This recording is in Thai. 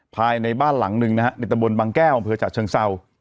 ภายในบ้านหลังหนึ่งนะฮะในตะบนบางแก้วอำเภอฉะเชิงเศร้า